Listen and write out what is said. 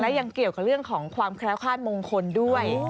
ยังเกี่ยวกับเรื่องของความแคล้วคาดมงคลด้วย